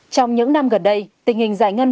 trong những năm gần đây tình hình giải ngân